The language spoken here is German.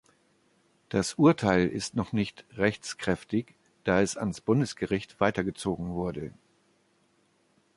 Das Urteil ist noch nicht rechtskräftig, da es ans Bundesgericht weitergezogen wurde.